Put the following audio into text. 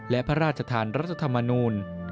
และพระราชทานรัฐธรรมนูล